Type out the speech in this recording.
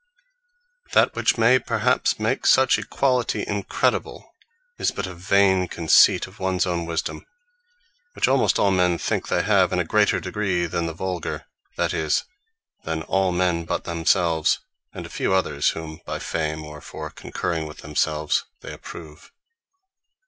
That which may perhaps make such equality incredible, is but a vain conceipt of ones owne wisdome, which almost all men think they have in a greater degree, than the Vulgar; that is, than all men but themselves, and a few others, whom by Fame, or for concurring with themselves, they approve.